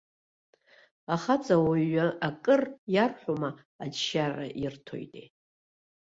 Ахаҵа ауаҩы акыр иарҳәома, аџьшьара ирҭоите.